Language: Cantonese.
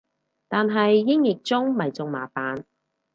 但係英譯中咪仲麻煩